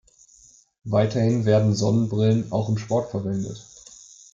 Weiterhin werden Sonnenbrillen auch im Sport verwendet.